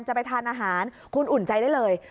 จะไปทานอาหารคุณอุ่นใจได้เลย